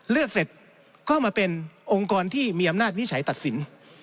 เสร็จก็มาเป็นองค์กรที่มีอำนาจวิจัยตัดสิน